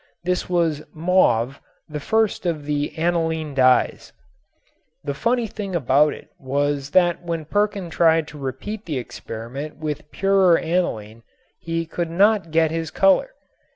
This was "mauve," the first of the aniline dyes. The funny thing about it was that when Perkin tried to repeat the experiment with purer aniline he could not get his color.